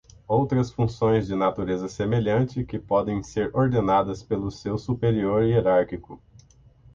Outras funções de natureza semelhante que podem ser ordenadas pelo seu superior hierárquico.